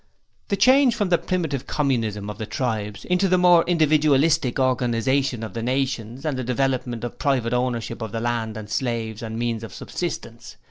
The change from the primitive Communism of the tribes, into the more individualistic organization of the nations, and the development of private ownership of the land and slaves and means of subsistence.